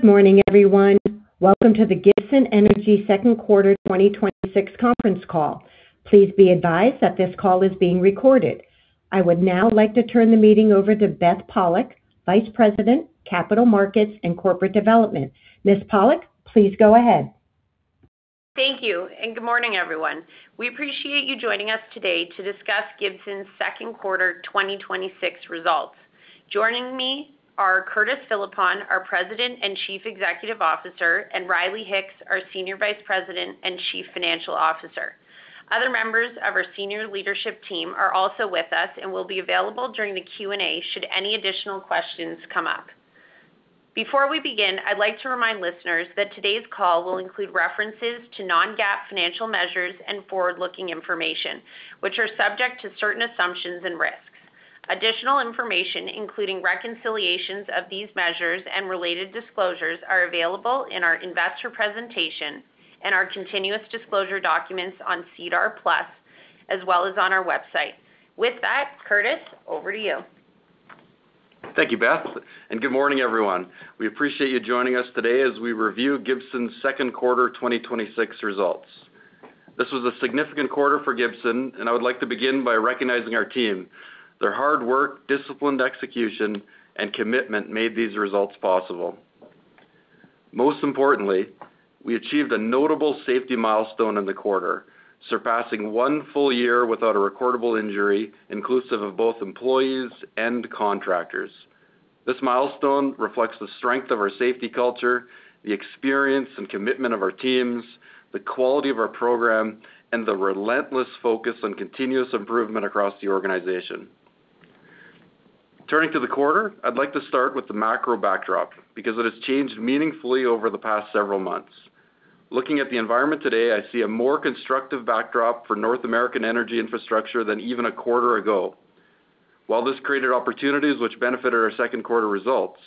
Good morning, everyone. Welcome to the Gibson Energy Second Quarter 2026 Conference Call. Please be advised that this call is being recorded. I would now like to turn the meeting over to Beth Pollock, Vice President, Capital Markets and Corporate Development. Ms. Pollock, please go ahead. Thank you, and good morning everyone? We appreciate you joining us today to discuss Gibson's Second Quarter 2026 Results. Joining me are Curtis Philippon, our President and Chief Executive Officer, and Riley Hicks, our Senior Vice President and Chief Financial Officer. Other members of our senior leadership team are also with us and will be available during the Q&A should any additional questions come up. Before we begin, I'd like to remind listeners that today's call will include references to non-GAAP financial measures and forward-looking information, which are subject to certain assumptions and risks. Additional information, including reconciliations of these measures and related disclosures, are available in our investor presentation and our continuous disclosure documents on SEDAR+, as well as on our website. With that, Curtis, over to you. Thank you, Beth, and good morning everyone? We appreciate you joining us today as we review Gibson's Second Quarter 2026 Results. This was a significant quarter for Gibson, and I would like to begin by recognizing our team. Their hard work, disciplined execution, and commitment made these results possible. Most importantly, we achieved a notable safety milestone in the quarter, surpassing one full year without a recordable injury, inclusive of both employees and contractors. This milestone reflects the strength of our safety culture, the experience and commitment of our teams, the quality of our program, and the relentless focus on continuous improvement across the organization. Turning to the quarter, I'd like to start with the macro backdrop because it has changed meaningfully over the past several months. Looking at the environment today, I see a more constructive backdrop for North American energy infrastructure than even a quarter ago. While this created opportunities which benefited our second quarter results,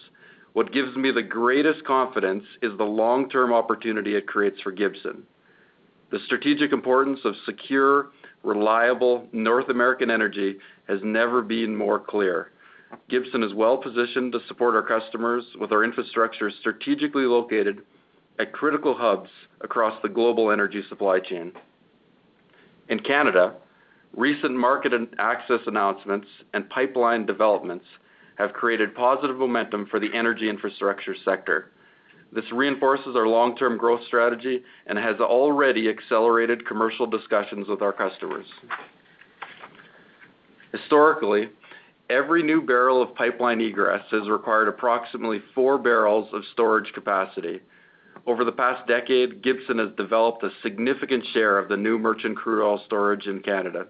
what gives me the greatest confidence is the long-term opportunity it creates for Gibson. The strategic importance of secure, reliable North American energy has never been more clear. Gibson is well-positioned to support our customers with our infrastructure strategically located at critical hubs across the global energy supply chain. In Canada, recent market and access announcements and pipeline developments have created positive momentum for the energy infrastructure sector. This reinforces our long-term growth strategy and has already accelerated commercial discussions with our customers. Historically, every new barrel of pipeline egress has required approximately 4 bbl of storage capacity. Over the past decade, Gibson has developed a significant share of the new merchant crude oil storage in Canada.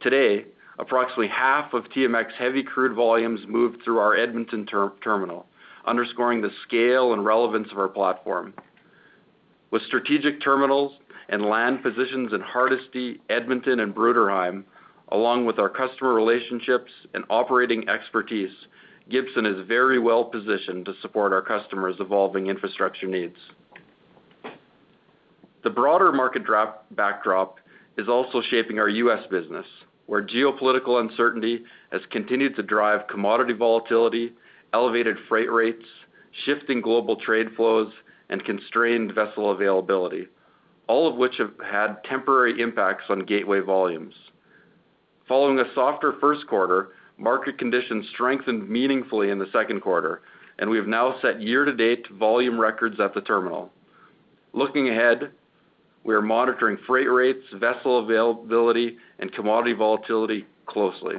Today, approximately half of TMX heavy crude volumes move through our Edmonton terminal, underscoring the scale and relevance of our platform. With strategic terminals and land positions in Hardisty, Edmonton, and Bruderheim, along with our customer relationships and operating expertise, Gibson is very well-positioned to support our customers' evolving infrastructure needs. The broader market backdrop is also shaping our U.S. business, where geopolitical uncertainty has continued to drive commodity volatility, elevated freight rates, shifting global trade flows, and constrained vessel availability, all of which have had temporary impacts on gateway volumes. Following a softer first quarter, market conditions strengthened meaningfully in the second quarter. We have now set year-to-date volume records at the terminal. Looking ahead, we are monitoring freight rates, vessel availability, and commodity volatility closely.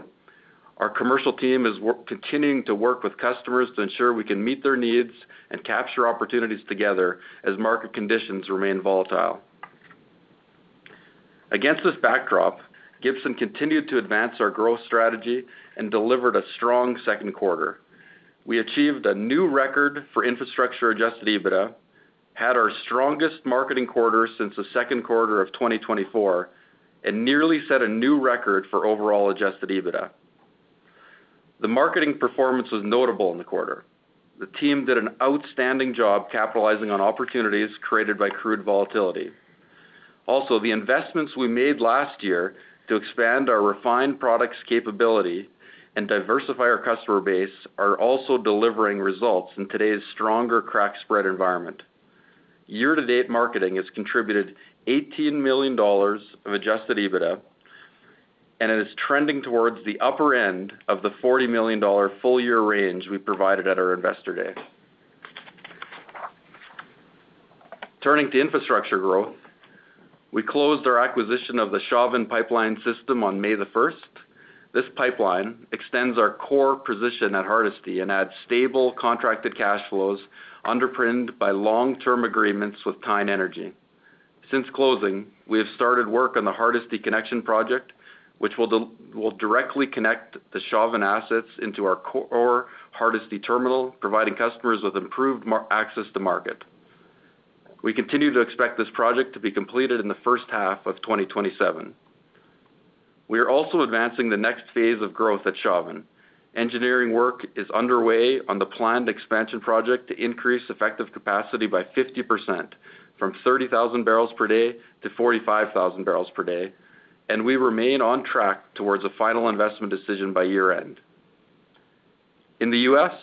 Our commercial team is continuing to work with customers to ensure we can meet their needs and capture opportunities together as market conditions remain volatile. Against this backdrop, Gibson continued to advance our growth strategy and delivered a strong second quarter. We achieved a new record for infrastructure adjusted EBITDA, had our strongest marketing quarter since the second quarter of 2024. Nearly set a new record for overall adjusted EBITDA. The marketing performance was notable in the quarter. The team did an outstanding job capitalizing on opportunities created by crude volatility. The investments we made last year to expand our refined products capability and diversify our customer base are also delivering results in today's stronger crack spread environment. Year-to-date marketing has contributed $18 million of adjusted EBITDA, and it is trending towards the upper end of the $40 million full-year range we provided at our Investor Day. Turning to infrastructure growth, we closed our acquisition of the Chauvin Pipeline system on May 1. This pipeline extends our core position at Hardisty and adds stable contracted cash flows underpinned by long-term agreements with Teine Energy. Since closing, we have started work on the Hardisty connection project, which will directly connect the Chauvin assets into our core Hardisty terminal, providing customers with improved access to market. We continue to expect this project to be completed in the first half of 2027. We are also advancing the next phase of growth at Chauvin. Engineering work is underway on the planned expansion project to increase effective capacity by 50%, from 30,000 bpd to 45,000 bpd. We remain on track towards a final investment decision by year-end. In the U.S.,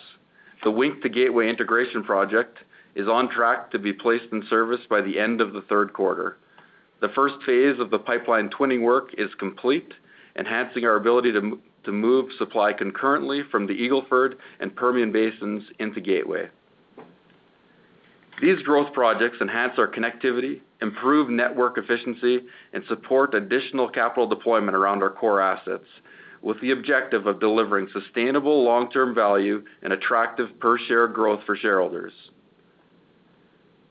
the Wink-to-Gateway integration project is on track to be placed in service by the end of the third quarter. The first phase of the pipeline twinning work is complete, enhancing our ability to move supply concurrently from the Eagle Ford and Permian basins into Gateway. These growth projects enhance our connectivity, improve network efficiency. Support additional capital deployment around our core assets, with the objective of delivering sustainable long-term value and attractive per-share growth for shareholders.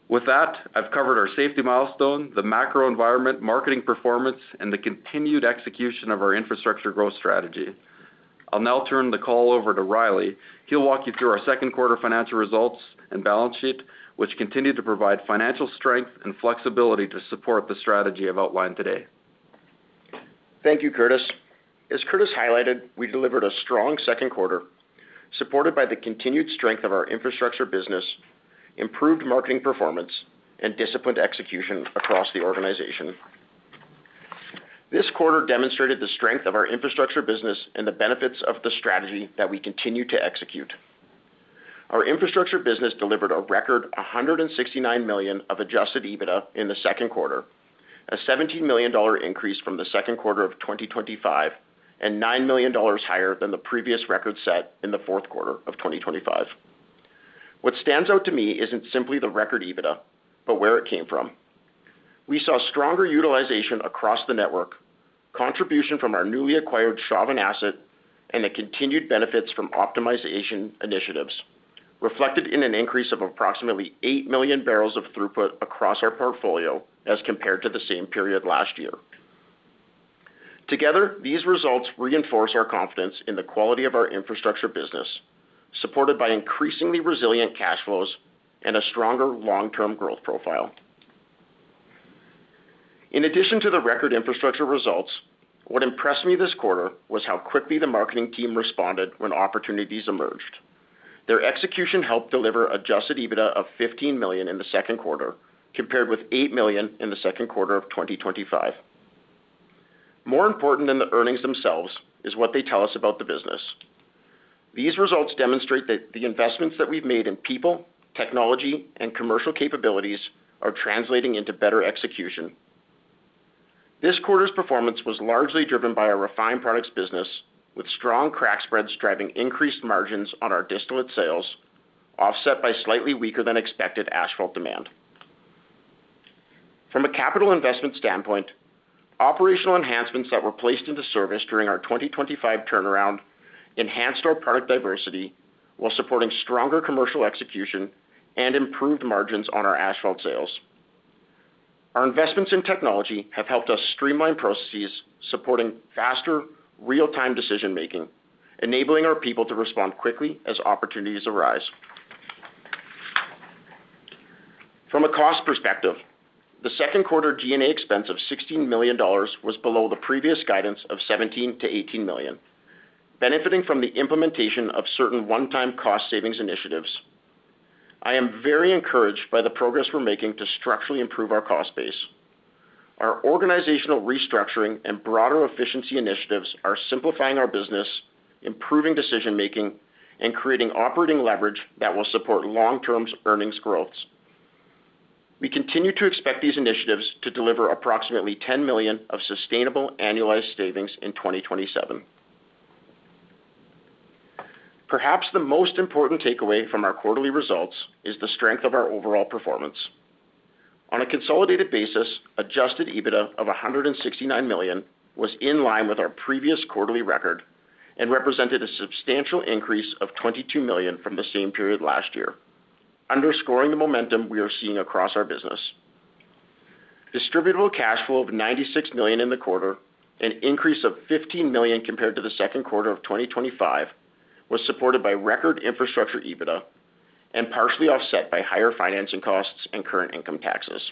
With that, I've covered our safety milestone, the macro environment, marketing performance, and the continued execution of our infrastructure growth strategy. I'll now turn the call over to Riley. He'll walk you through our second quarter financial results and balance sheet, which continue to provide financial strength and flexibility to support the strategy I've outlined today. Thank you, Curtis. As Curtis highlighted, we delivered a strong second quarter, supported by the continued strength of our infrastructure business, improved marketing performance, and disciplined execution across the organization. This quarter demonstrated the strength of our infrastructure business and the benefits of the strategy that we continue to execute. Our infrastructure business delivered a record $169 million of adjusted EBITDA in the second quarter, a $17 million increase from the second quarter of 2025, and $9 million higher than the previous record set in the fourth quarter of 2025. What stands out to me isn't simply the record EBITDA, but where it came from. We saw stronger utilization across the network, contribution from our newly acquired Chauvin asset, and the continued benefits from optimization initiatives, reflected in an increase of approximately 8 million barrels of throughput across our portfolio as compared to the same period last year. Together, these results reinforce our confidence in the quality of our infrastructure business, supported by increasingly resilient cash flows and a stronger long-term growth profile. In addition to the record infrastructure results, what impressed me this quarter was how quickly the marketing team responded when opportunities emerged. Their execution helped deliver adjusted EBITDA of $15 million in the second quarter, compared with $8 million in the second quarter of 2025. More important than the earnings themselves is what they tell us about the business. These results demonstrate that the investments that we've made in people, technology, and commercial capabilities are translating into better execution. This quarter's performance was largely driven by our refined products business, with strong crack spreads driving increased margins on our distillate sales, offset by slightly weaker than expected asphalt demand. From a capital investment standpoint, operational enhancements that were placed into service during our 2025 turnaround enhanced our product diversity while supporting stronger commercial execution and improved margins on our asphalt sales. Our investments in technology have helped us streamline processes, supporting faster real-time decision-making, enabling our people to respond quickly as opportunities arise. From a cost perspective, the second quarter G&A expense of $16 million was below the previous guidance of $17 million-$18 million, benefiting from the implementation of certain one-time cost savings initiatives. I am very encouraged by the progress we're making to structurally improve our cost base. Our organizational restructuring and broader efficiency initiatives are simplifying our business, improving decision-making, and creating operating leverage that will support long-term earnings growth. We continue to expect these initiatives to deliver approximately $10 million of sustainable annualized savings in 2027. Perhaps the most important takeaway from our quarterly results is the strength of our overall performance. On a consolidated basis, adjusted EBITDA of $169 million was in line with our previous quarterly record and represented a substantial increase of $22 million from the same period last year, underscoring the momentum we are seeing across our business. Distributable cash flow of $96 million in the quarter, an increase of $15 million compared to the second quarter of 2025, was supported by record infrastructure EBITDA and partially offset by higher financing costs and current income taxes.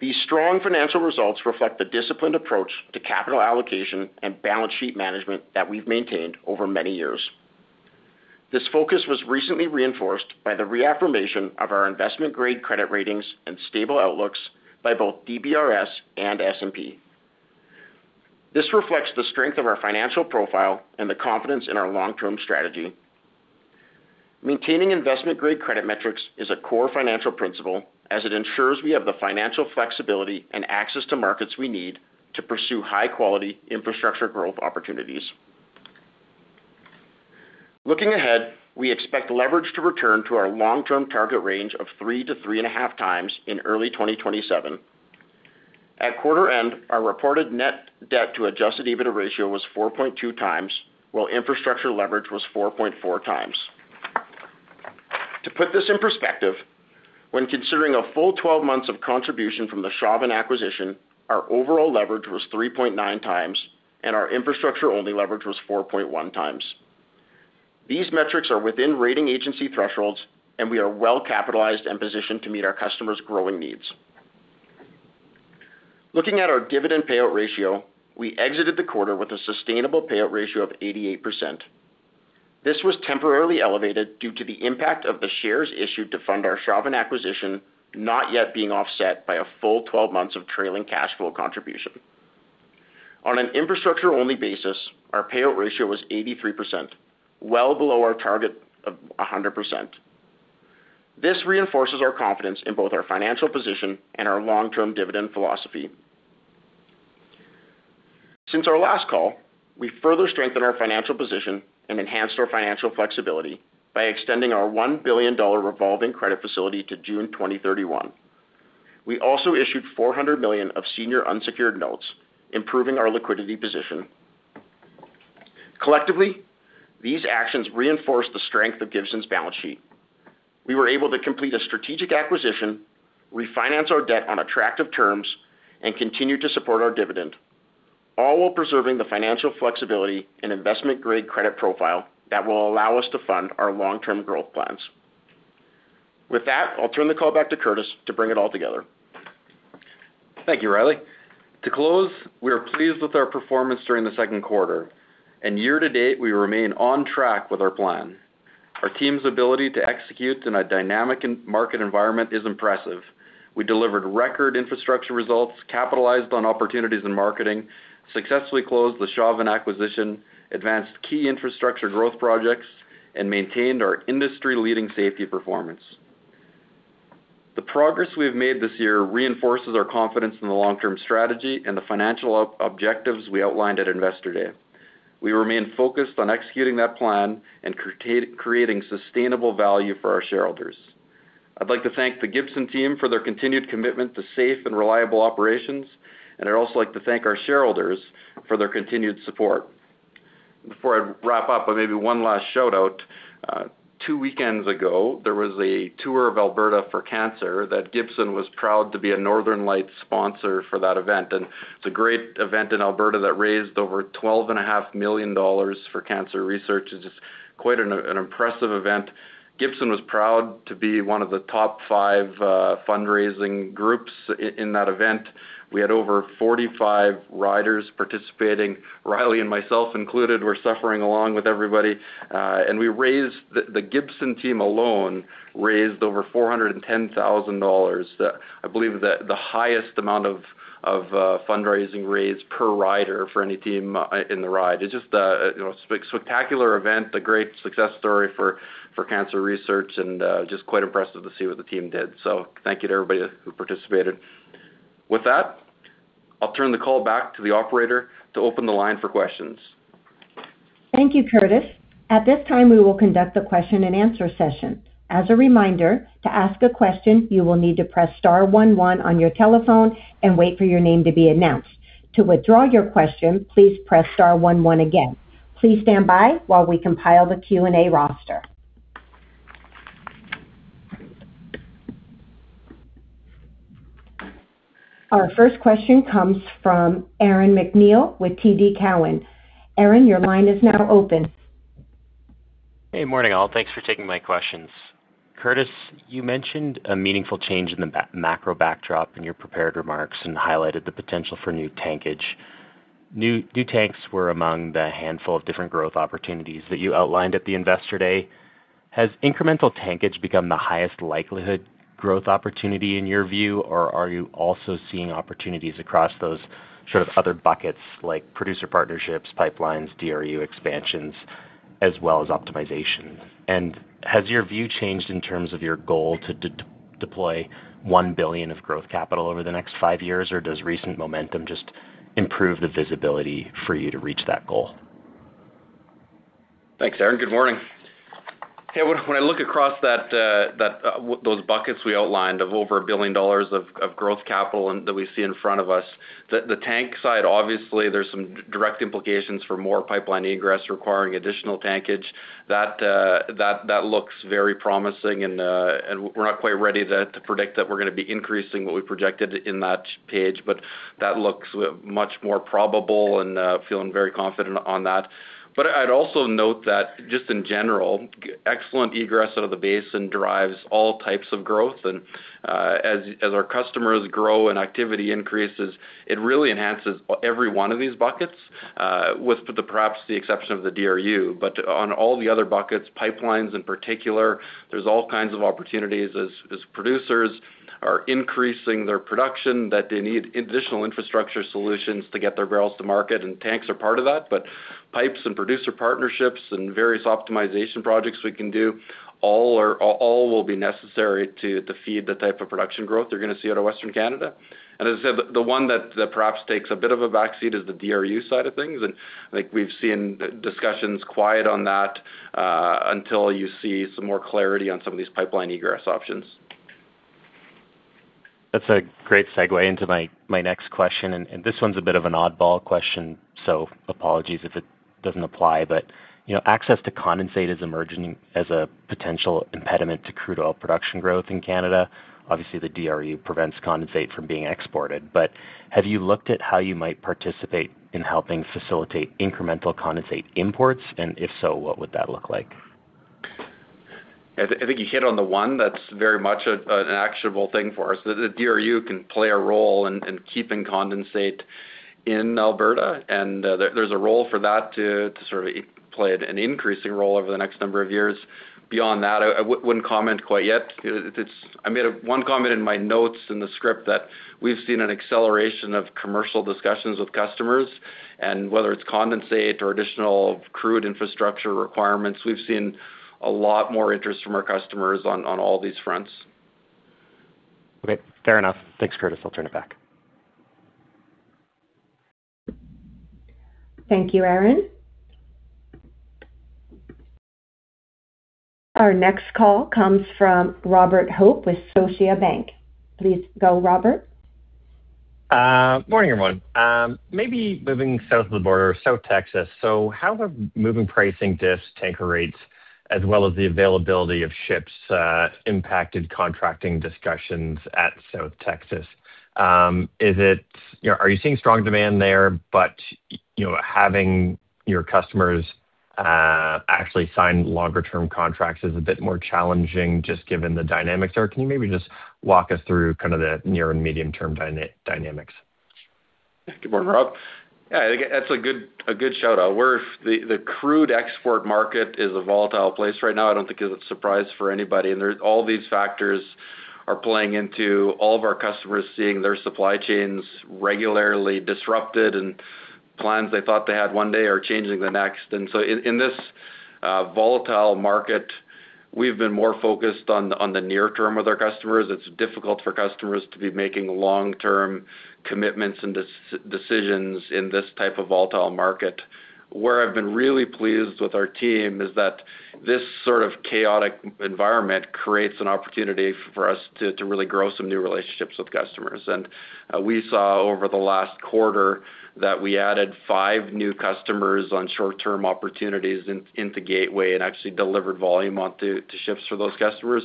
These strong financial results reflect the disciplined approach to capital allocation and balance sheet management that we've maintained over many years. This focus was recently reinforced by the reaffirmation of our investment-grade credit ratings and stable outlooks by both DBRS and S&P. This reflects the strength of our financial profile and the confidence in our long-term strategy. Maintaining investment-grade credit metrics is a core financial principle as it ensures we have the financial flexibility and access to markets we need to pursue high-quality infrastructure growth opportunities. Looking ahead, we expect leverage to return to our long-term target range of 3x to 3.5x in early 2027. At quarter end, our reported net debt to adjusted EBITDA ratio was 4.2x, while infrastructure leverage was 4.4x. To put this in perspective, when considering a full 12 months of contribution from the Chauvin acquisition, our overall leverage was 3.9x and our infrastructure-only leverage was 4.1x. These metrics are within rating agency thresholds, and we are well capitalized and positioned to meet our customers' growing needs. Looking at our dividend payout ratio, we exited the quarter with a sustainable payout ratio of 88%. This was temporarily elevated due to the impact of the shares issued to fund our Chauvin acquisition not yet being offset by a full 12 months of trailing cash flow contribution. On an infrastructure-only basis, our payout ratio was 83%, well below our target of 100%. This reinforces our confidence in both our financial position and our long-term dividend philosophy. Since our last call, we further strengthened our financial position and enhanced our financial flexibility by extending our $1 billion revolving credit facility to June 2031. We also issued $400 million of senior unsecured notes, improving our liquidity position. Collectively, these actions reinforce the strength of Gibson's balance sheet. We were able to complete a strategic acquisition, refinance our debt on attractive terms, and continue to support our dividend, all while preserving the financial flexibility and investment-grade credit profile that will allow us to fund our long-term growth plans. With that, I'll turn the call back to Curtis to bring it all together. Thank you, Riley. To close, we are pleased with our performance during the second quarter, and year-to-date, we remain on track with our plan. Our team's ability to execute in a dynamic market environment is impressive. We delivered record infrastructure results, capitalized on opportunities in marketing, successfully closed the Chauvin acquisition, advanced key infrastructure growth projects, and maintained our industry-leading safety performance. The progress we have made this year reinforces our confidence in the long-term strategy and the financial objectives we outlined at Investor Day. We remain focused on executing that plan and creating sustainable value for our shareholders. I'd like to thank the Gibson team for their continued commitment to safe and reliable operations, and I'd also like to thank our shareholders for their continued support. Before I wrap up, maybe one last shout-out. Two weekends ago, there was a Tour Alberta for Cancer that Gibson was proud to be a Northern Light sponsor for that event. It's a great event in Alberta that raised over $12.5 million for cancer research. It's quite an impressive event. Gibson was proud to be one of the top five fundraising groups in that event. We had over 45 riders participating. Riley and myself included, were suffering along with everybody. The Gibson team alone raised over $410,000. I believe the highest amount of fundraising raised per rider for any team in the ride. It's just a spectacular event, a great success story for cancer research and just quite impressive to see what the team did. Thank you to everybody who participated. With that, I'll turn the call back to the operator to open the line for questions. Thank you, Curtis. At this time, we will conduct the question-and-answer session. As a reminder, to ask a question, you will need to press star one one on your telephone and wait for your name to be announced. To withdraw your question, please press star one one again. Please stand by while we compile the Q&A roster. Our first question comes from Aaron MacNeil with TD Cowen. Aaron, your line is now open. Hey, morning all? Thanks for taking my questions. Curtis, you mentioned a meaningful change in the macro backdrop in your prepared remarks and highlighted the potential for new tankage. New tanks were among the handful of different growth opportunities that you outlined at the Investor Day. Has incremental tankage become the highest likelihood growth opportunity in your view, or are you also seeing opportunities across those sort of other buckets like producer partnerships, pipelines, DRU expansions, as well as optimization? Has your view changed in terms of your goal to deploy $1 billion of growth capital over the next five years, or does recent momentum just improve the visibility for you to reach that goal? Thanks, Aaron. Good morning. Hey, when I look across those buckets we outlined of over $1 billion of growth capital and that we see in front of us, the tank side, obviously, there's some direct implications for more pipeline egress requiring additional tankage. That looks very promising, and we're not quite ready to predict that we're gonna be increasing what we projected in that page, but that looks much more probable and feeling very confident on that. I'd also note that just in general, excellent egress out of the basin drives all types of growth and as our customers grow and activity increases, it really enhances every one of these buckets, with perhaps the exception of the DRU. On all the other buckets, pipelines in particular, there's all kinds of opportunities as producers are increasing their production, that they need additional infrastructure solutions to get their barrels to market and tanks are part of that, but pipes and producer partnerships and various optimization projects we can do, all will be necessary to feed the type of production growth they're going to see out of Western Canada. As I said, the one that perhaps takes a bit of a back seat is the DRU side of things, I think we've seen discussions quiet on that until you see some more clarity on some of these pipeline egress options. That's a great segue into my next question. This one's a bit of an odd-ball question, apologies if it doesn't apply, access to condensate is emerging as a potential impediment to crude oil production growth in Canada. Obviously, the DRU prevents condensate from being exported. Have you looked at how you might participate in helping facilitate incremental condensate imports? If so, what would that look like? I think you hit on the one that's very much an actionable thing for us, that the DRU can play a role in keeping condensate in Alberta. There's a role for that to sort of play an increasing role over the next number of years. Beyond that, I wouldn't comment quite yet. I made one comment in my notes in the script that we've seen an acceleration of commercial discussions with customers, whether it's condensate or additional crude infrastructure requirements, we've seen a lot more interest from our customers on all these fronts. Fair enough. Thanks, Curtis. I'll turn it back. Thank you, Aaron. Our next call comes from Robert Hope with Scotiabank, please go Robert. Morning, everyone? How have moving pricing diffs, tanker rates, as well as the availability of ships, impacted contracting discussions at South Texas? Are you seeing strong demand there, having your customers actually sign longer term contracts is a bit more challenging just given the dynamics, or can you maybe just walk us through kind of the near and medium term dynamics? Good morning, Rob. That's a good shout-out. The crude export market is a volatile place right now. I don't think it's a surprise for anybody. All these factors are playing into all of our customers seeing their supply chains regularly disrupted and plans they thought they had one day are changing the next. In this volatile market, we've been more focused on the near term with our customers. It's difficult for customers to be making long-term commitments and decisions in this type of volatile market. Where I've been really pleased with our team is that this sort of chaotic environment creates an opportunity for us to really grow some new relationships with customers. We saw over the last quarter that we added five new customers on short-term opportunities into Gateway and actually delivered volume onto ships for those customers.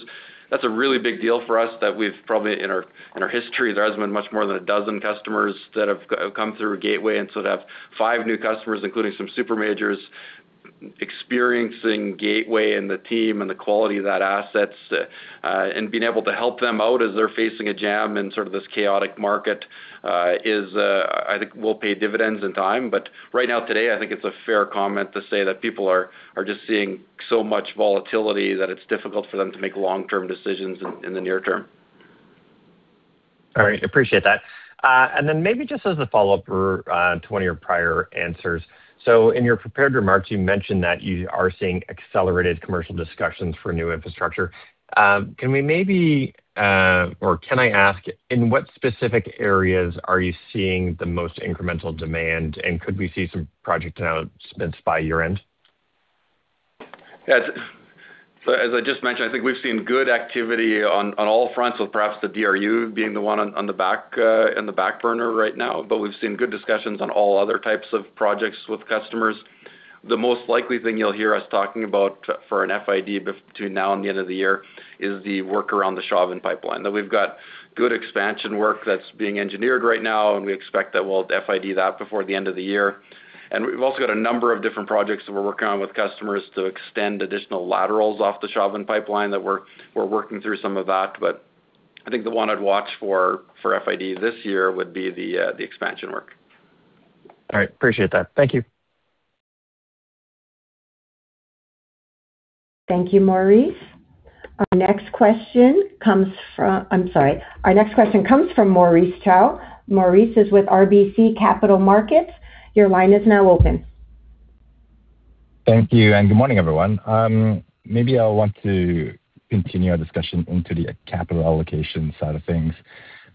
That's a really big deal for us that we've probably, in our history, there hasn't been much more than 12 customers that have come through Gateway. To have five new customers, including some super majors, experiencing Gateway and the team and the quality of that assets, and being able to help them out as they're facing a jam in sort of this chaotic market, I think will pay dividends in time. Right now, today, I think it's a fair comment to say that people are just seeing so much volatility that it's difficult for them to make long-term decisions in the near term. All right. Appreciate that. Maybe just as a follow-up to one of your prior answers. In your prepared remarks, you mentioned that you are seeing accelerated commercial discussions for new infrastructure. Can I ask, in what specific areas are you seeing the most incremental demand, and could we see some project announcements by your end? Yeah. As I just mentioned, I think we've seen good activity on all fronts, with perhaps the DRU being the one in the back burner right now, but we've seen good discussions on all other types of projects with customers. The most likely thing you'll hear us talking about for an FID between now and the end of the year is the work around the Chauvin Pipeline. That we've got good expansion work that's being engineered right now, and we expect that we'll FID that before the end of the year. We've also got a number of different projects that we're working on with customers to extend additional laterals off the Chauvin Pipeline that we're working through some of that. I think the one I'd watch for FID this year would be the expansion work. All right. Appreciate that. Thank you. Thank you, [Robert]. Our next question comes from, Maurice Choy. Maurice is with RBC Capital Markets, your line is now open. Thank you, and good morning, everyone? Maybe I'll want to continue our discussion into the capital allocation side of things.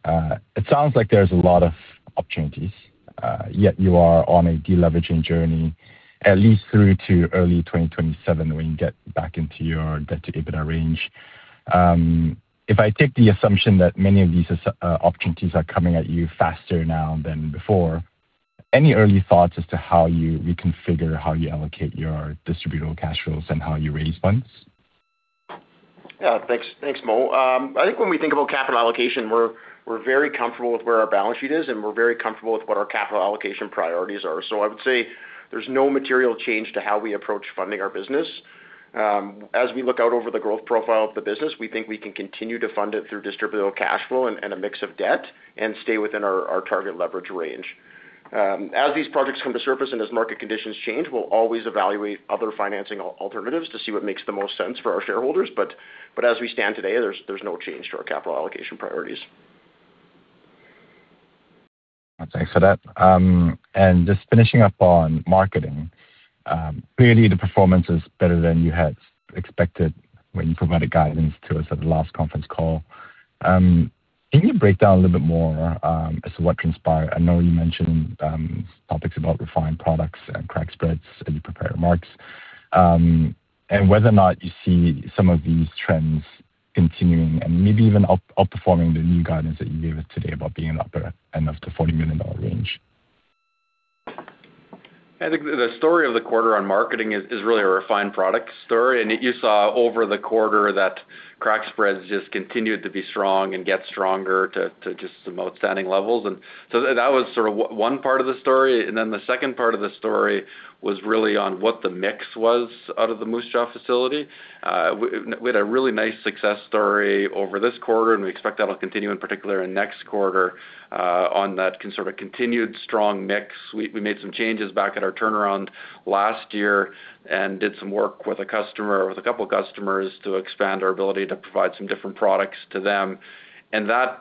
It sounds like there's a lot of opportunities, yet you are on a deleveraging journey at least through to early 2027 when you get back into your debt to EBITDA range. If I take the assumption that many of these opportunities are coming at you faster now than before, any early thoughts as to how you reconfigure how you allocate your distributable cash flows and how you raise funds? Yeah. Thanks, Mo. I think when we think about capital allocation, we're very comfortable with where our balance sheet is, and we're very comfortable with what our capital allocation priorities are. I would say there's no material change to how we approach funding our business. As we look out over the growth profile of the business, we think we can continue to fund it through distributable cash flow and a mix of debt and stay within our target leverage range. As these projects come to surface and as market conditions change, we'll always evaluate other financing alternatives to see what makes the most sense for our shareholders. As we stand today, there's no change to our capital allocation priorities. Thanks for that. Just finishing up on marketing. Clearly, the performance is better than you had expected when you provided guidance to us at the last conference call. Can you break down a little bit more as to what transpired? I know you mentioned topics about refined products and crack spreads in your prepared remarks. Whether or not you see some of these trends continuing and maybe even outperforming the new guidance that you gave us today about being in the upper end of the $40 million range. I think the story of the quarter on marketing is really a refined product story, and you saw over the quarter that Crack spreads just continued to be strong and get stronger to just some outstanding levels. That was one part of the story, and then the second part of the story was really on what the mix was out of the Moose Jaw facility. We had a really nice success story over this quarter, and we expect that'll continue, in particular in next quarter, on that sort of continued strong mix. We made some changes back at our turnaround last year and did some work with a couple of customers to expand our ability to provide some different products to them. That's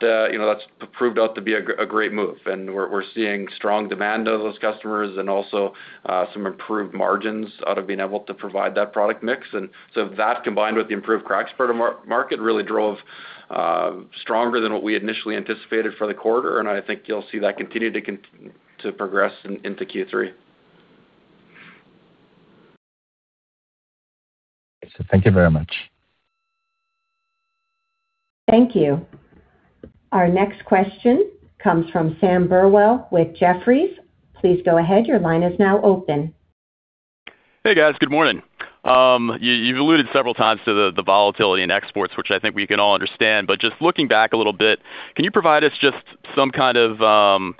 proved out to be a great move, we're seeing strong demand out of those customers and also some improved margins out of being able to provide that product mix. That, combined with the improved crack spread market, really drove stronger than what we initially anticipated for the quarter. I think you'll see that continue to progress into Q3. Thank you very much. Thank you. Our next question comes from Sam Burwell with Jefferies. Please go ahead, your line is now open. Hey, guys. Good morning? You've alluded several times to the volatility in exports, which I think we can all understand. Just looking back a little bit, can you provide us just some kind of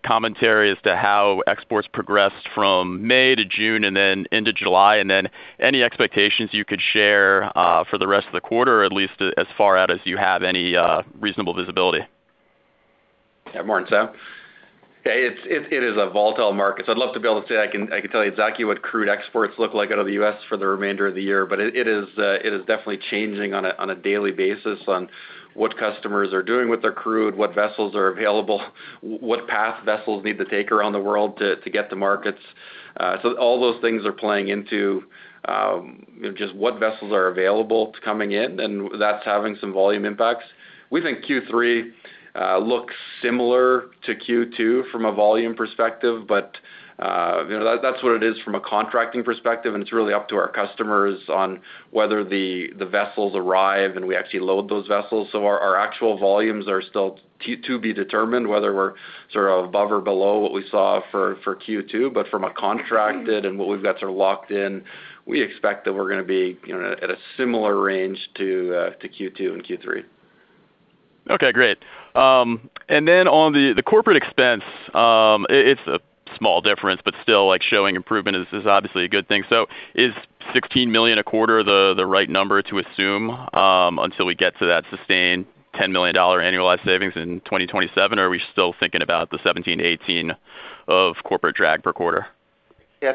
commentary as to how exports progressed from May to June and then into July, and then any expectations you could share for the rest of the quarter, at least as far out as you have any reasonable visibility? Morning, Sam. It is a volatile market, so I'd love to be able to say I can tell you exactly what crude exports look like out of the U.S. for the remainder of the year. It is definitely changing on a daily basis on what customers are doing with their crude, what vessels are available, what path vessels need to take around the world to get to markets. All those things are playing into just what vessels are available to coming in and that's having some volume impacts. We think Q3 looks similar to Q2 from a volume perspective, but that's what it is from a contracting perspective, and it's really up to our customers on whether the vessels arrive and we actually load those vessels. Our actual volumes are still to be determined whether we're above or below what we saw for Q2, but from a contracted and what we've got locked in, we expect that we're going to be at a similar range to Q2 and Q3. Great. On the corporate expense, it's a small difference, but still showing improvement is obviously a good thing. Is $16 million a quarter the right number to assume until we get to that sustained $10 million annualized savings in 2027? Are we still thinking about the $17 million, $18 million of corporate drag per quarter?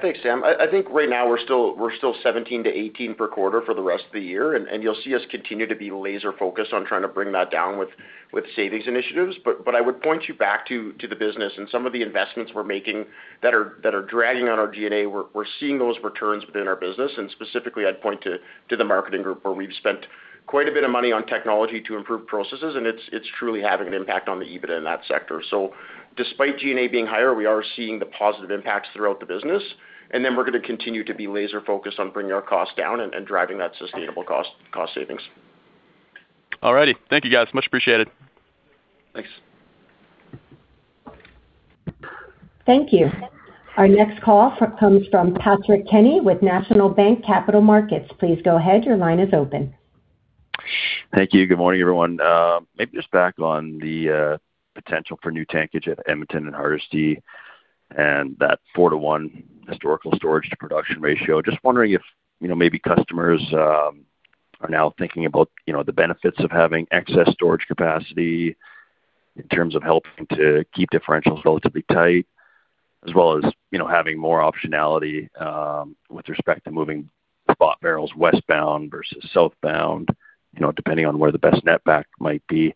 Thanks, Sam. I think right now we're still $17 million to $18 million per quarter for the rest of the year. You'll see us continue to be laser-focused on trying to bring that down with savings initiatives. I would point you back to the business and some of the investments we're making that are dragging on our G&A. We're seeing those returns within our business, and specifically I'd point to the marketing group where we've spent quite a bit of money on technology to improve processes, and it's truly having an impact on the EBITDA in that sector. Despite G&A being higher, we are seeing the positive impacts throughout the business. We're going to continue to be laser-focused on bringing our costs down and driving that sustainable cost savings. All righty. Thank you guys, much appreciated. Thanks. Thank you. Our next call comes from Patrick Kenny with National Bank Capital Markets. Please go ahead, your line is open. Thank you. Good morning, everyone? Maybe just back on the potential for new tankage at Edmonton and Hardisty and that 4:1 historical storage to production ratio. Just wondering if maybe customers are now thinking about the benefits of having excess storage capacity in terms of helping to keep differentials relatively tight as well as having more optionality with respect to moving spot barrels westbound versus southbound, depending on where the best net back might be.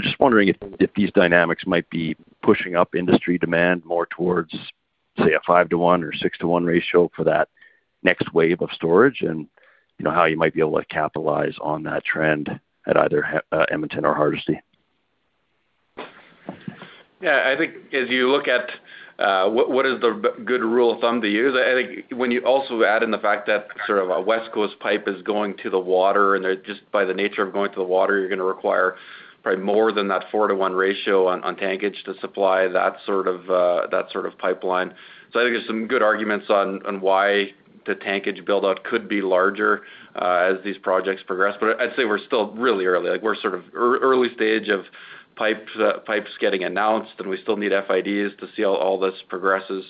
Just wondering if these dynamics might be pushing up industry demand more towards, say, a 5:1 or 6:1 ratio for that next wave of storage, and how you might be able to capitalize on that trend at either Edmonton or Hardisty. Yeah, I think as you look at what is the good rule of thumb to use, I think when you also add in the fact that a West Coast pipe is going to the water, and just by the nature of going to the water, you're going to require probably more than that 4:1 ratio on tankage to supply that sort of pipeline. I think there's some good arguments on why the tankage build-out could be larger as these projects progress. I'd say we're still really early. We're sort of early stage of pipes getting announced, and we still need FIDs to see how all this progresses.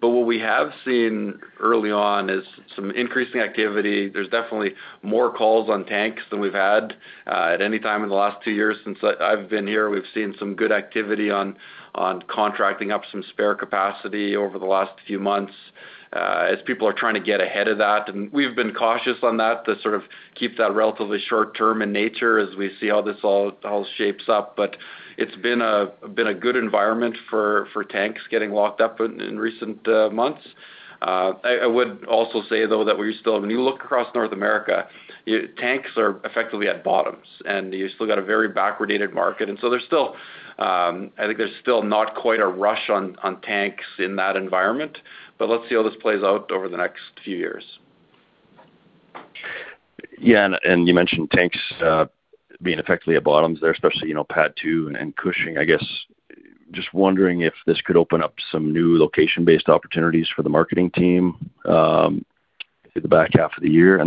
What we have seen early on is some increasing activity. There's definitely more calls on tanks than we've had at any time in the last two years since I've been here. We've seen some good activity on contracting up some spare capacity over the last few months as people are trying to get ahead of that. We've been cautious on that to sort of keep that relatively short term in nature as we see how this all shapes up. It's been a good environment for tanks getting locked up in recent months. I would also say, though, that when you look across North America, tanks are effectively at bottoms, and you still got a very backward dated market. I think there's still not quite a rush on tanks in that environment. Let's see how this plays out over the next few years. You mentioned tanks being effectively at bottoms there, especially, PADD 2 and Cushing. I guess, just wondering if this could open up some new location-based opportunities for the marketing team, through the back half of the year.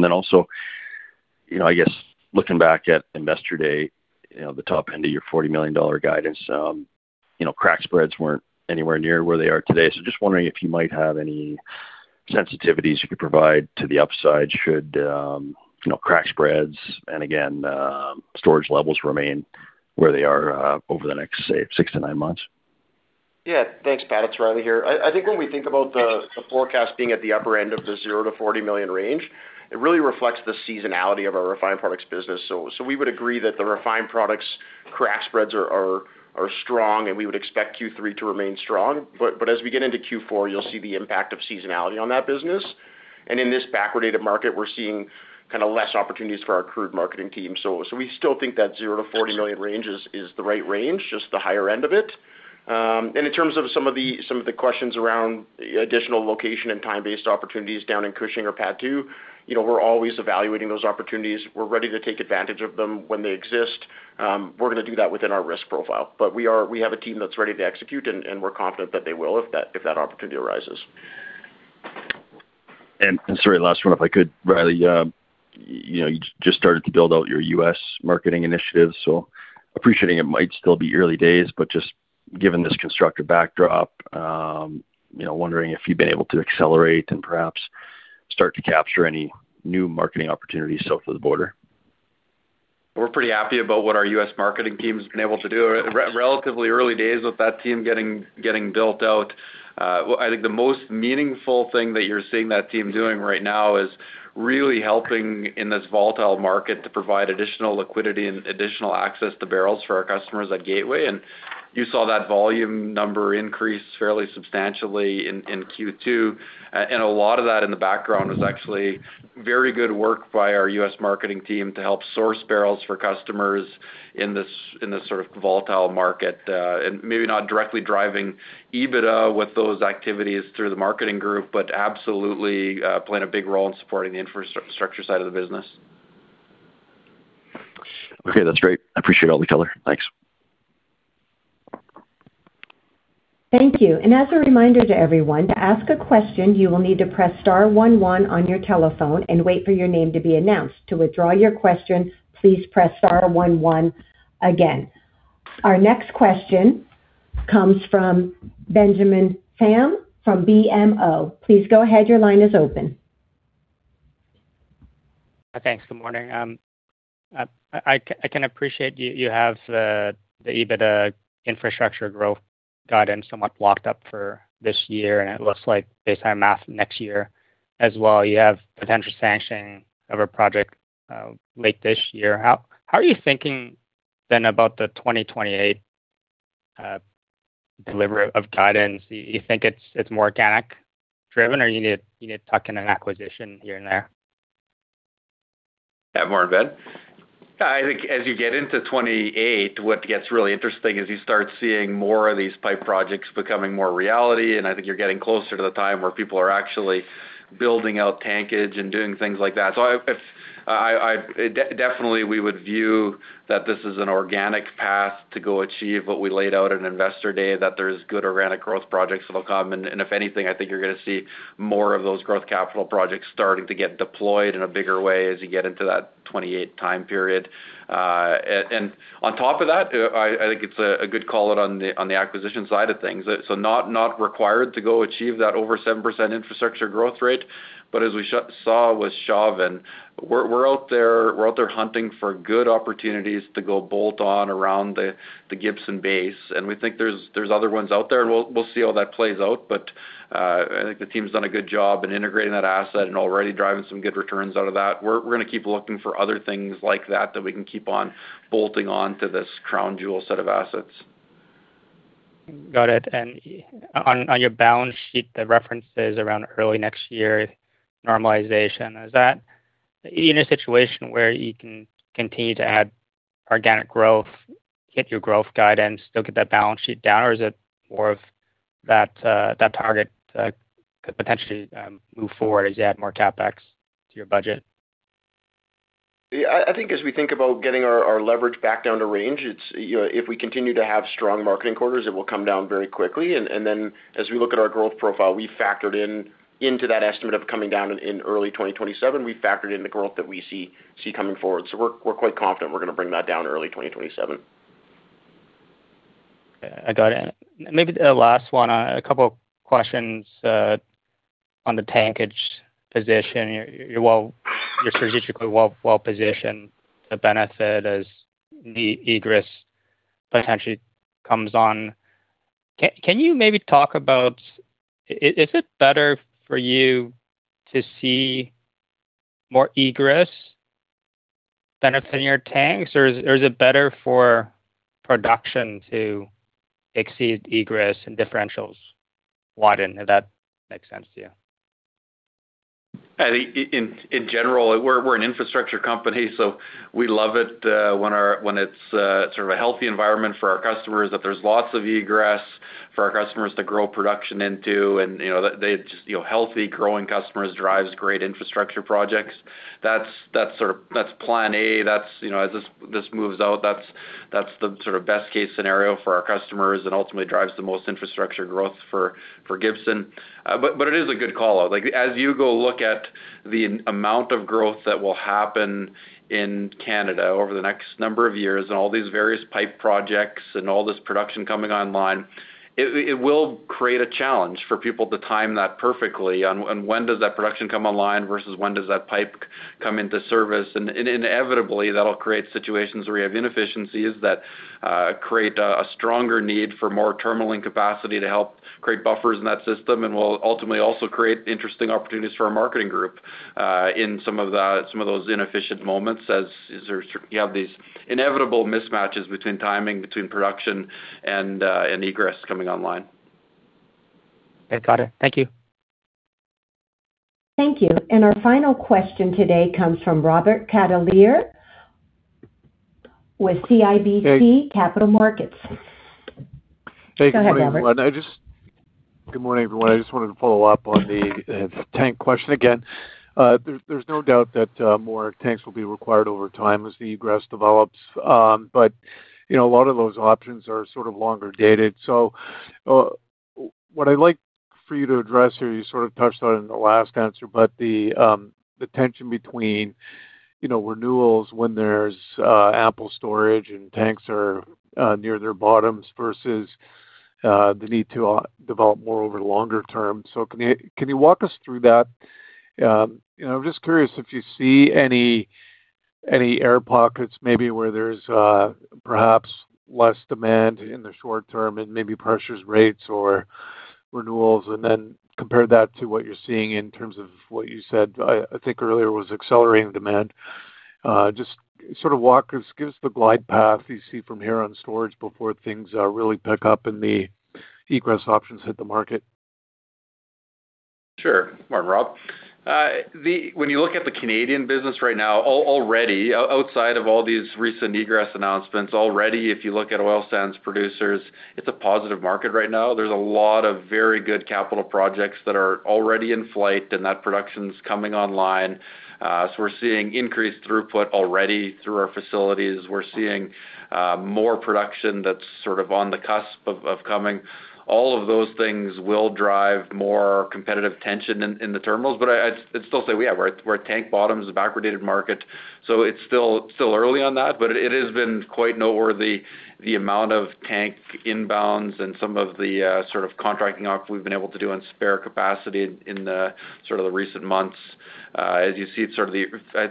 I guess, looking back at Investor Day, the top end of your $40 million guidance, crack spreads weren't anywhere near where they are today. Just wondering if you might have any sensitivities you could provide to the upside should, crack spreads and again, storage levels remain where they are over the next, say, six to nine months. Thanks, Pat. It's Riley here. I think when we think about the forecast being at the upper end of the 0$ to $40 million range, it really reflects the seasonality of our refined products business. We would agree that the refined products crack spreads are strong, and we would expect Q3 to remain strong. As we get into Q4, you'll see the impact of seasonality on that business. In this backward data market, we're seeing less opportunities for our crude marketing team. We still think that 0$ to $40 million range is the right range, just the higher end of it. In terms of some of the questions around additional location and time-based opportunities down in Cushing or PADD 2, we're always evaluating those opportunities. We're ready to take advantage of them when they exist. We're going to do that within our risk profile. We have a team that's ready to execute, and we're confident that they will, if that opportunity arises. Sorry, last one, if I could, Riley. You just started to build out your U.S. marketing initiatives, appreciating it might still be early days, just given this constructive backdrop, wondering if you've been able to accelerate and perhaps start to capture any new marketing opportunities south of the border. We're pretty happy about what our U.S. marketing team's been able to do. Relatively early days with that team getting built out. I think the most meaningful thing that you're seeing that team doing right now is really helping in this volatile market to provide additional liquidity and additional access to barrels for our customers at Gateway. You saw that volume number increase fairly substantially in Q2. A lot of that in the background was actually very good work by our U.S. marketing team to help source barrels for customers in this sort of volatile market. Maybe not directly driving EBITDA with those activities through the marketing group, but absolutely playing a big role in supporting the infrastructure side of the business. Okay. That's great. I appreciate all the color. Thanks. Thank you. As a reminder to everyone, to ask a question, you will need to press star one one on your telephone and wait for your name to be announced. To withdraw your question, please press star one one again. Our next question comes from Benjamin Pham from BMO. Please go ahead, your line is open. Thanks. Good morning? I can appreciate you have the EBITDA infrastructure growth guidance somewhat locked up for this year, and it looks like based on math, next year as well. You have potential sanctioning of a project late this year. How are you thinking about the 2028 delivery of guidance? You think it's more organic driven or you need to tuck in an acquisition here and there? Yeah. Morning, Ben. I think as you get into 2028, what gets really interesting is you start seeing more of these pipe projects becoming more reality, and I think you're getting closer to the time where people are actually building out tankage and doing things like that. Definitely, we would view that this is an organic path to go achieve what we laid out at Investor Day, that there's good organic growth projects that'll come. If anything, I think you're going to see more of those growth capital projects starting to get deployed in a bigger way as you get into that 2028 time period. On top of that, I think it's a good call on the acquisition side of things. Not required to go achieve that over 7% infrastructure growth rate. As we saw with Chauvin, we're out there hunting for good opportunities to go bolt on around the Gibson base, and we think there's other ones out there, and we'll see how that plays out. I think the team's done a good job in integrating that asset and already driving some good returns out of that. We're going to keep looking for other things like that we can keep on bolting on to this crown jewel set of assets. Got it. On your balance sheet, the references around early next year normalization. Are you in a situation where you can continue to add organic growth, hit your growth guidance, still get that balance sheet down, or is it more of that target could potentially move forward as you add more CapEx to your budget? Yeah. I think as we think about getting our leverage back down to range, if we continue to have strong marketing quarters, it will come down very quickly. We look at our growth profile, we factored in into that estimate of coming down in early 2027. We factored in the growth that we see coming forward. We're quite confident we're going to bring that down early 2027. Okay. Got it. Maybe the last one, a couple questions on the tankage position. You're strategically well-positioned to benefit as the egress potentially comes on. Can you maybe talk about, is it better for you to see more egress benefiting your tanks, or is it better for production to exceed egress and differentials widen? If that makes sense to you. I think in general, we're an infrastructure company, so we love it when it's sort of a healthy environment for our customers, that there's lots of egress for our customers to grow production into, and healthy growing customers drives great infrastructure projects. That's plan A. As this moves out, that's the best-case scenario for our customers and ultimately drives the most infrastructure growth for Gibson. It is a good call-out. As you go look at the amount of growth that will happen in Canada over the next number of years and all these various pipe projects and all this production coming online, it will create a challenge for people to time that perfectly on when does that production come online versus when does that pipe come into service. Inevitably, that'll create situations where we have inefficiencies that create a stronger need for more terminaling capacity to help create buffers in that system and will ultimately also create interesting opportunities for our marketing group in some of those inefficient moments as you have these inevitable mismatches between timing, between production, and egress coming online. Okay, got it. Thank you. Thank you. Our final question today comes from Robert Catellier with CIBC Capital Markets. Go ahead, Robert. Good morning, everyone? I just wanted to follow up on the tank question again. There's no doubt that more tanks will be required over time as the egress develops. A lot of those options are sort of longer-dated. What I'd like for you to address here, you sort of touched on it in the last answer, but the tension between renewals when there's ample storage and tanks are near their bottoms versus the need to develop more over longer term. Can you walk us through that? I'm just curious if you see any air pockets, maybe where there's perhaps less demand in the short term and maybe pressures rates or renewals, and then compare that to what you're seeing in terms of what you said, I think earlier, was accelerating demand. Just sort of give us the glide path you see from here on storage before things really pick up and the egress options hit the market. Sure. Good morning, Rob. When you look at the Canadian business right now, outside of all these recent egress announcements, already, if you look at oil sands producers, it's a positive market right now. There's a lot of very good capital projects that are already in flight, and that production's coming online. We're seeing increased throughput already through our facilities. We're seeing more production that's sort of on the cusp of coming. All of those things will drive more competitive tension in the terminals, but I'd still say, yeah, we're at tank bottoms, a backwardated market, so it's still early on that, but it has been quite noteworthy the amount of tank inbounds and some of the sort of contracting up we've been able to do on spare capacity in the recent months. I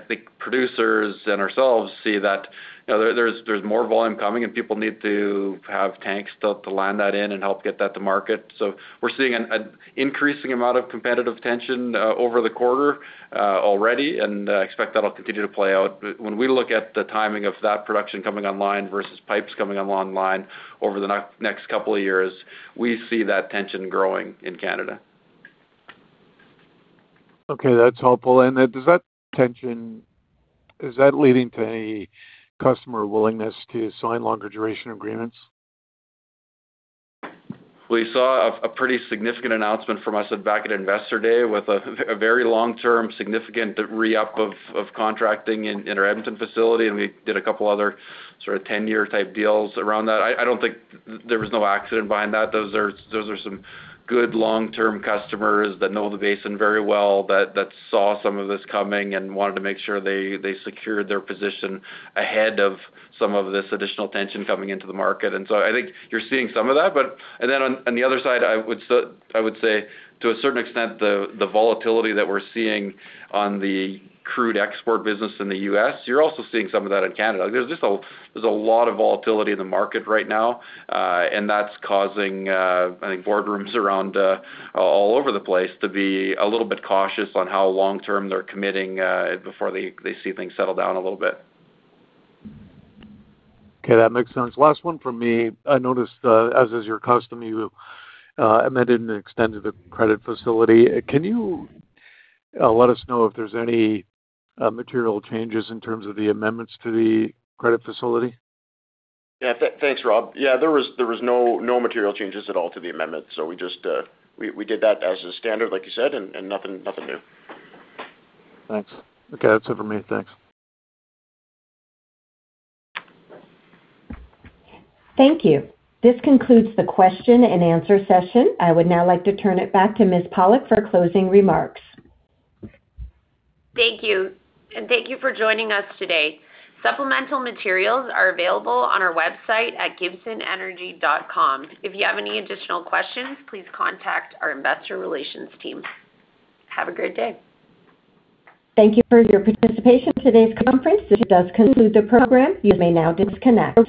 think producers and ourselves see that there's more volume coming, and people need to have tanks built to land that in and help get that to market. We're seeing an increasing amount of competitive tension over the quarter already and expect that'll continue to play out. When we look at the timing of that production coming online versus pipes coming online over the next couple of years, we see that tension growing in Canada. Okay, that's helpful. Does that tension, is that leading to any customer willingness to sign longer duration agreements? We saw a pretty significant announcement from us back at Investor Day with a very long-term, significant re-up of contracting in our Edmonton facility, we did a couple other sort of 10-year type deals around that. I don't think there was no accident behind that. Those are some good long-term customers that know the basin very well, that saw some of this coming and wanted to make sure they secured their position ahead of some of this additional tension coming into the market. I think you're seeing some of that. Then on the other side, I would say, to a certain extent, the volatility that we're seeing on the crude export business in the U.S., you're also seeing some of that in Canada. There's a lot of volatility in the market right now, and that's causing, I think, boardrooms around all over the place to be a little bit cautious on how long-term they're committing before they see things settle down a little bit. Okay, that makes sense. Last one from me. I noticed, as is your custom, you amended and extended the credit facility. Can you let us know if there's any material changes in terms of the amendments to the credit facility? Yeah. Thanks, Rob. Yeah, there was no material changes at all to the amendment. We did that as a standard, like you said, and nothing new. Thanks. Okay, that's it for me. Thanks. Thank you. This concludes the question and answer session. I would now like to turn it back to Ms. Pollock for closing remarks. Thank you, and thank you for joining us today. Supplemental materials are available on our website at gibsonenergy.com. If you have any additional questions, please contact our investor relations team. Have a great day. Thank you for your participation in today's conference. This does conclude the program, you may now disconnect.